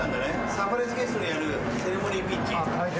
サプライズゲストによるセレモニアルピッチ。